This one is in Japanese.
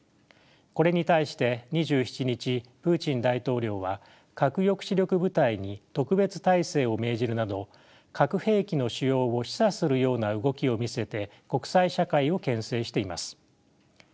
これに対して２７日プーチン大統領は核抑止力部隊に特別態勢を命じるなど核兵器の使用を示唆するような動きを見せて国際社会をけん制しています。